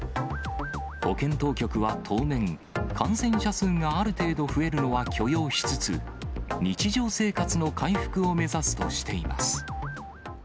保健当局は当面、感染者数がある程度、増えるのは許容しつつ、日常生活の回復を目指すとしています。